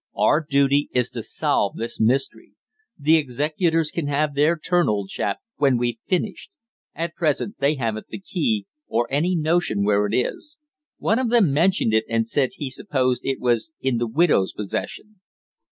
Our duty is to solve this mystery. The executors can have their turn, old chap, when we've finished. At present they haven't the key, or any notion where it is. One of them mentioned it, and said he supposed it was in the widow's possession."